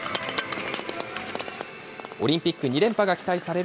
オリンピック２連覇が期待される